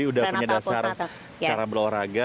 udah punya dasar cara berolahraga